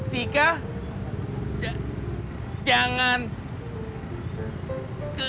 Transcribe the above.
tika jangan kemana mana dulu